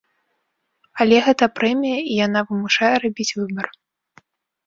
Але гэта прэмія, і яна вымушае рабіць выбар.